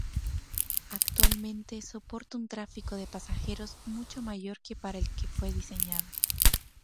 Actualmente soporta un tráfico de pasajeros mucho mayor que para el que fue diseñada.